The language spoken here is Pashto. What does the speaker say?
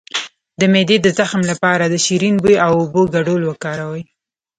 د معدې د زخم لپاره د شیرین بویې او اوبو ګډول وکاروئ